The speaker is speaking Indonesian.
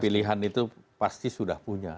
pilihan itu pasti sudah punya